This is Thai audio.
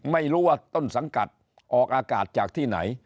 ไม่รู้ว่าต้นสังกัดออกอากาศจากที่ไหน